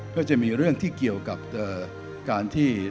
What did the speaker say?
ก็จะมีเรื่องที่เกี่ยวกับการที่